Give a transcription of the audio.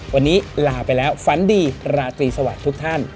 วันนี้ลาไปแล้วฝันดีราตรีสวัสดีทุกท่าน